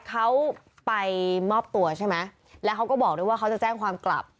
เขาไปมอบตัวใช่ไหมแล้วเขาก็บอกด้วยว่าเขาจะแจ้งความกลับ